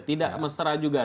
tidak mesra juga